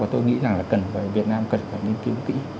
và tôi nghĩ rằng là việt nam cần phải nghiên cứu kỹ